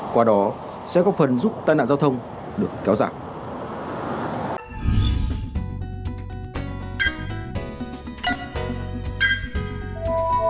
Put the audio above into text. qua đó sẽ góp phần giúp tai nạn giao thông được kéo giảm